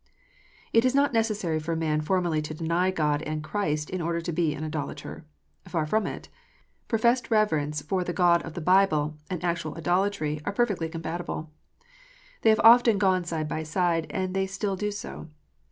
It is not necessary for a man formally to deny God and Christ, in order to be an idolater. Far from it. Professed reverence for the God of the Bible, and actual idolatry, are perfectly compatible. They have often gone side by side, and they still do so.